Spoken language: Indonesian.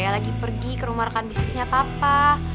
lagi pergi ke rumah rekan bisnisnya papa